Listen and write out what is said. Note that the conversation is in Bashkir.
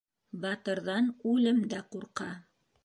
Батырҙан үлем дә ҡурҡа.